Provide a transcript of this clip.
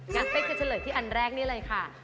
กางเพย์จะเฉลยที่อันแรกนี้เลยค่ะ